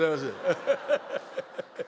ハハハハ！